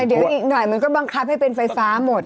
เดี๋ยวอีกหน่อยมันก็บังคับให้เป็นไฟฟ้าหมด